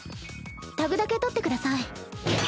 タグだけ取ってください。